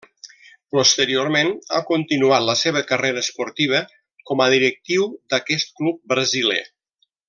Posteriorment ha continuat la seva carrera esportiva com a directiu d'aquest club brasiler.